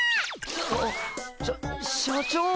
あっしゃ社長！